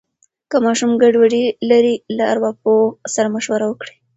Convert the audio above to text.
که ماشوم ګډوډي لري، له ارواپوه سره مشوره وکړئ.